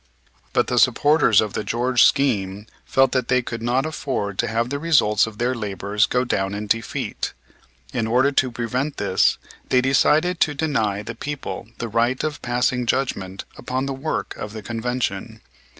But the supporters of the George scheme felt that they could not afford to have the results of their labors go down in defeat. In order to prevent this they decided to deny the people the right of passing judgment upon the work of the Convention.